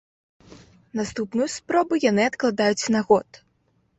Наступную спробу яны адкладаюць на год.